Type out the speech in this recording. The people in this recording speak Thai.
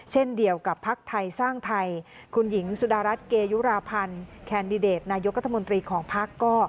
เช่นเดียวกับพักไทยสร้างไทยคุณหญิงสุดารัฐเกยุราพันธ์แคนดิเดตนายกรัฐมนตรีของพักก็